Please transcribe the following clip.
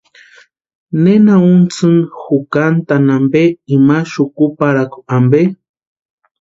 ¿Nena untsini jukantani ampe, imani xukuparhakua ampe?